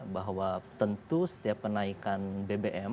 bahwa tentu setiap kenaikan bbm